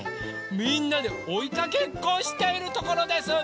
みんなでおいかけっこをしているところです。